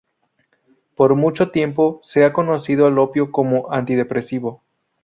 Por mucho tiempo se ha conocido al opio como antidepresivo.